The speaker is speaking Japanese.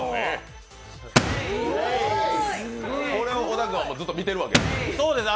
これを小田君はずっと見ているわけね。